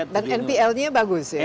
dan npl nya bagus ya